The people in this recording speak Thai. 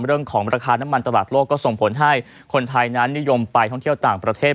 เรื่องของราคาน้ำมันตลาดโลกก็ส่งผลให้คนไทยนั้นนิยมไปท่องเที่ยวต่างประเทศ